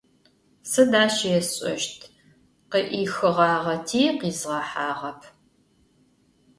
Sıd aş yêsş'eşt? Khı'uheğağeti, khizğehağep.